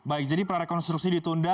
baik jadi prarekonstruksi ditunda